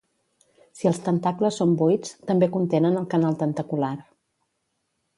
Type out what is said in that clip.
Si els tentacles són buits, també contenen el canal tentacular.